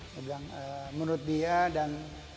saya bilang menurut dia dan